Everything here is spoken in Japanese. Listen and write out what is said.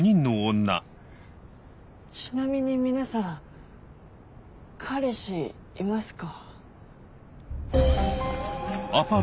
ちなみに皆さん彼氏いますか？